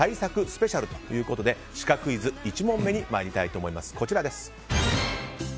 スペシャルということでシカクイズ、１問目にまいりたいと思います。